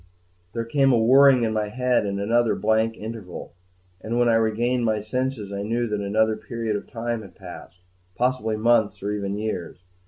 II There came a whirring in my head, and another blank interval; and when I regained my senses I knew that another period of time had passed, possibly months or even years.